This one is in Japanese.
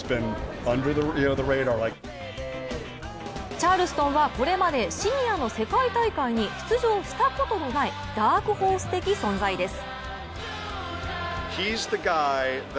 チャールストンはこれまでシニアの世界大会に出場したことのないダークホース的存在です。